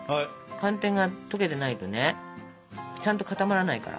寒天が溶けてないとねちゃんと固まらないから。